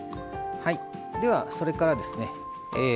ではそれからですね